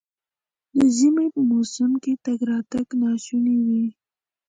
د ژمي په موسم کې تګ راتګ ناشونی وي.